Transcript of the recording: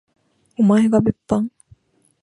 おまえが別班？